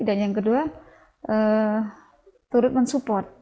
dan yang kedua turut mensupport